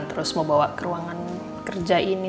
terus mau bawa ke ruangan kerja ini